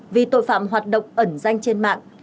vì tội phạm hoạt động ẩn danh trên mạng